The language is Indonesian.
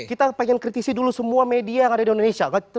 kita pengen kritisi dulu semua media yang ada di indonesia